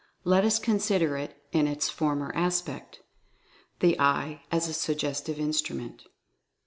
Let us consider it in its former aspect^ THE EYE AS A SUGGESTIVE INSTRUMENT?